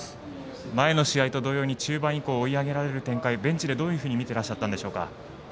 前の試合と同様に中盤以降、追い上げられる展開ベンチでどんなふうに見てらっしゃったんでしょうか。